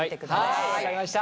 はい分かりました。